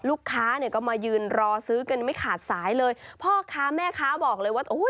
ลูกค้าเนี่ยก็มายืนรอซื้อกันไม่ขาดสายเลยพ่อค้าแม่ค้าบอกเลยว่าอุ้ย